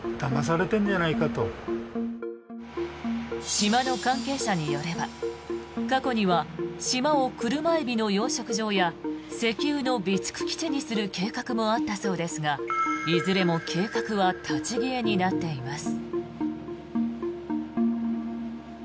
島の関係者によれば、過去には島をクルマエビの養殖場や石油の備蓄基地にする計画もあったそうですがいずれも計画は立ち消えになっています。